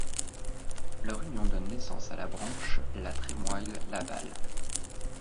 Leur union donne naissance à la branche la Trémoille-Laval.